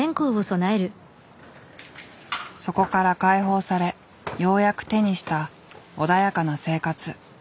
そこから解放されようやく手にした穏やかな生活。